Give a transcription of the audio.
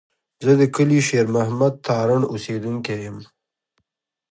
زه د کلي شېر محمد تارڼ اوسېدونکی یم.